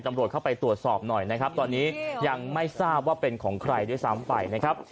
ตำรวจเข้าไปตรวจสอบหน่อยนะครับตอนนี้ยังไม่ทราบว่าเป็นของใครด้วยซ้ำไปนะครับ